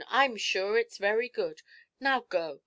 I'm sure it's very good. Now go.